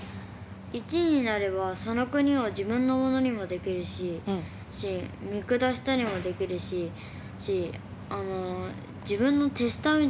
１位になればその国を自分のものにもできるし見下したりもできるしあの自分の手下みたいにその国をできる。